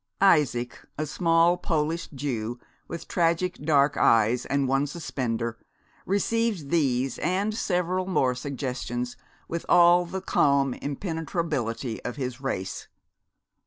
Isaac, a small Polish Jew with tragic, dark eyes and one suspender, received these and several more such suggestions with all the calm impenetrability of his race.